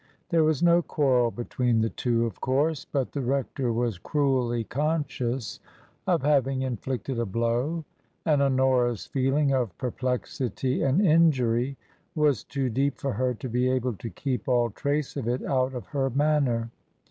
There was no quarrel between the two, of course, but the rector was cruelly conscious of having inflicted a blow, and Honora's feeling of per plexity and injury was too deep for her to be able to keep all trace of it out of her manner.